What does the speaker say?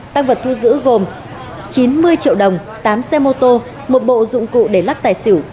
tăng vật thu giữ gồm chín mươi triệu đồng tám xe mô tô một bộ dụng cụ để lắc tài xỉu